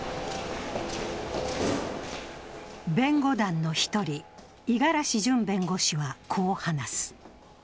弁護団の１人、五十嵐潤弁護士はこう話す。